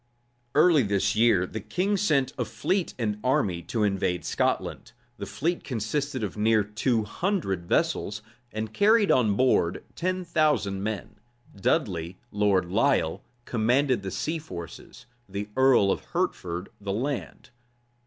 Early this year the king sent a fleet and army to invade Scotland. The fleet consisted of near two hundred vessels, and carried on board ten thousand men. Dudley, Lord Lisle, commanded the sea forces; the earl of Hertford the land.